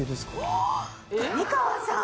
上川さん